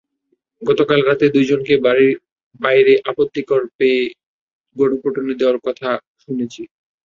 গতকাল রাতে দুজনকে বাড়ির বাইরে আপত্তিকর পেয়ে গণপিটুনি দেওয়ার কথা শুনেছি।